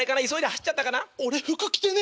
俺俺服着てねえ。